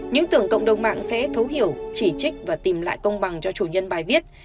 những tưởng cộng đồng mạng sẽ thấu hiểu chỉ trích và tìm lại công bằng cho chủ nhân bài viết